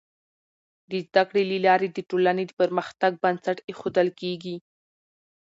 د زده کړي له لارې د ټولني د پرمختګ بنسټ ایښودل کيږي.